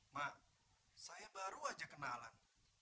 mak saya baru aja kenalan